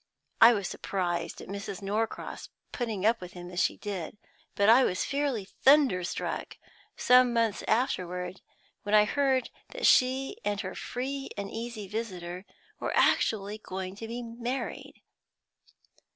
I was surprised at Mrs. Norcross putting up with him as she did, but I was fairly thunderstruck some months afterward when I heard that she and her free and easy visitor were actually going to be married!